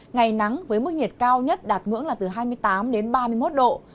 ngày nắng với mức nhiệt cao nhất đạt ngưỡng là từ hai mươi tám đến ba mươi một độ